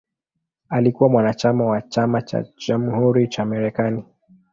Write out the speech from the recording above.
Alikuwa mwanachama wa Chama cha Jamhuri cha Marekani.